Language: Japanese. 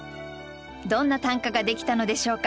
どんな短歌ができたのでしょうか？